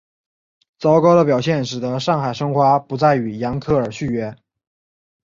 糟糕的表现使得上海申花不再与扬克尔续约。